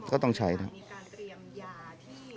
ก็ต้องใช้นะครับ